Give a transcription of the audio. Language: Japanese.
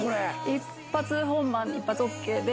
一発本番一発ＯＫで。